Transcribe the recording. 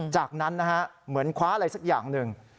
จากนั้นนะฮะเหมือนคว้าอะไรสักอย่างหนึ่ง